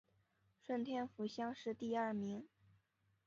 顺天府乡试第二名。